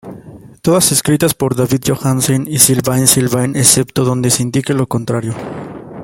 Todas escritas por David Johansen y Sylvain Sylvain, excepto donde se indique lo contrario.